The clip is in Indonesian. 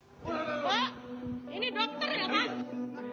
pak ini dokter ya pak